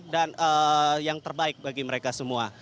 dan yang terbaik bagi mereka semua